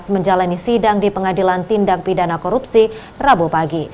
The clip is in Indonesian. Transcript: menjalani sidang di pengadilan tindak pidana korupsi rabu pagi